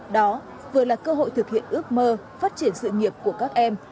đó vừa là cơ hội thực hiện ước mơ phát triển sự nghiệp của các em